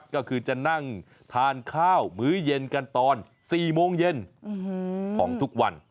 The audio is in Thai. ก็คือจะนั่งทานข้าวมื้อเย็นกันตอน๔โมงเย็นของทุกวัน